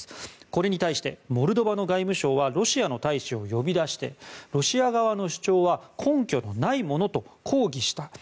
これに対してモルドバの外務省はロシアの大使を呼び出してロシア側の主張は根拠のないものと抗議したと。